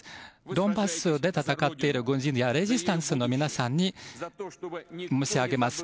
ドンバスで戦っている軍人やレジスタンスの皆さんに申し上げます。